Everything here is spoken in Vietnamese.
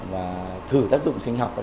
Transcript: và chúng tôi đã tìm ra chín chất mới